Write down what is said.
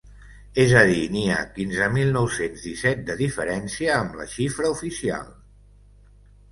És a dir, n’hi ha quinze mil nou-cents disset de diferència amb la xifra oficial.